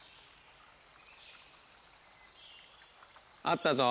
あったぞ。